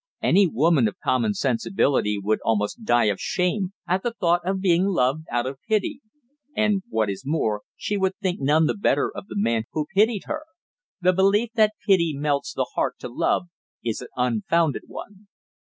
Any woman of common sensibility would almost die of shame at the thought of being loved out of pity; and, what is more, she would think none the better of the man who pitied her. The belief that "pity melts the heart to love" is an unfounded one.